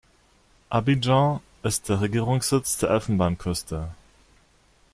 Abidjan ist der Regierungssitz der Elfenbeinküste.